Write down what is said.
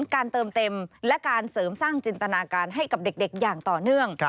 การเติมเต็มและการเสริมสร้างจินตนาการให้กับเด็กอย่างต่อเนื่อง